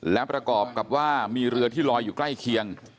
และประกอบกับว่ามีเรือที่ลอยอยู่ใกล้เคียง